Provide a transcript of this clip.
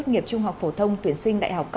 thứ nhất làicho